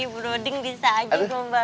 broding bisa aja gombalnya berubah ubah